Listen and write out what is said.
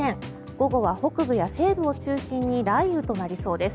午後は北部や西部を中心に雷雨となりそうです。